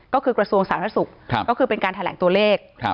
ก็คือกระทรวงสาธารณสุขก็คือเป็นการแถลงตัวเลข